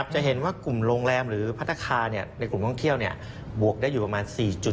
จะเห็นว่ากลุ่มโรงแรมหรือพัฒนาคารในกลุ่มท่องเที่ยวบวกได้อยู่ประมาณ๔๕